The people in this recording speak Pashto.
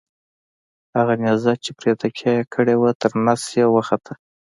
هغه نیزه چې پرې تکیه یې کړې وه تر نس یې وخوته.